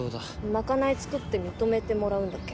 まかない作って認めてもらうんだっけ？